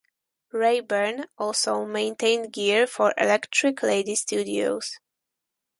Rayburn also maintained gear for Electric Lady Studios.